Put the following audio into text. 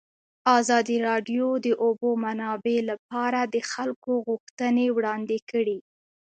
ازادي راډیو د د اوبو منابع لپاره د خلکو غوښتنې وړاندې کړي.